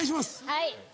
はい